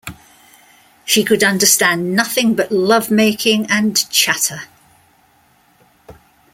She could understand nothing but love-making and chatter.